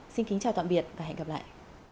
xin chào tạm biệt và hẹn gặp lại